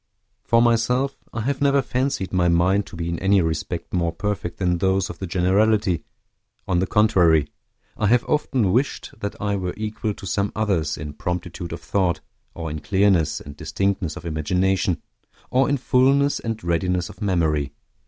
For myself, I have never fancied my mind to be in any respect more perfect than those of the generality; on the contrary, I have often wished that I were equal to some others in promptitude of thought, or in clearness and distinctness of imagination, or in fullness and readiness of memory.